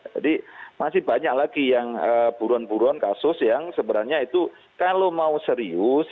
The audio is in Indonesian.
jadi masih banyak lagi yang buron buron kasus yang sebenarnya itu kalau mau serius